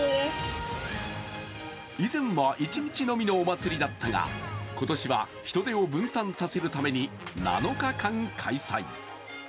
以前は一日のみのお祭りだったが今年は人出を分散させるために７日間開催。